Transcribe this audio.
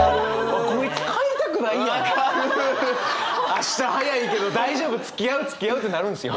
明日早いけど大丈夫つきあうつきあうってなるんですよ。